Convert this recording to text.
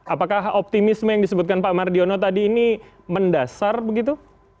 apakah optimisme yang disebutkan pak mardiono tadi ini mendasar begitu